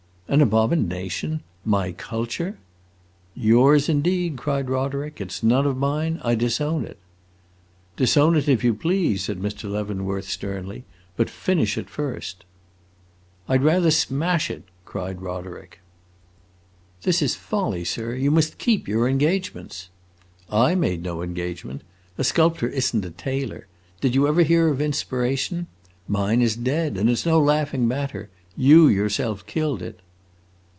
"An abomination! My Culture!" "Yours indeed!" cried Roderick. "It 's none of mine. I disown it." "Disown it, if you please," said Mr. Leavenworth sternly, "but finish it first!" "I 'd rather smash it!" cried Roderick. "This is folly, sir. You must keep your engagements." "I made no engagement. A sculptor is n't a tailor. Did you ever hear of inspiration? Mine is dead! And it 's no laughing matter. You yourself killed it."